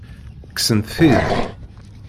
Kksent-t-id?